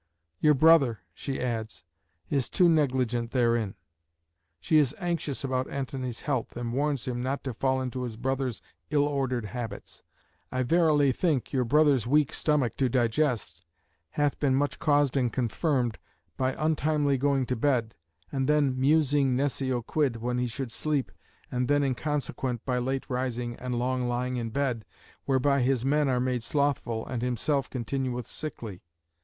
"Your brother," she adds, "is too negligent therein." She is anxious about Antony's health, and warns him not to fall into his brother's ill ordered habits: "I verily think your brother's weak stomach to digest hath been much caused and confirmed by untimely going to bed, and then musing nescio quid when he should sleep, and then in consequent by late rising and long lying in bed, whereby his men are made slothful and himself continueth sickly.